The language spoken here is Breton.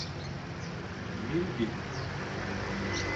milgin